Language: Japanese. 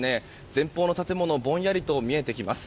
前方の建物ぼんやりと見えてきます。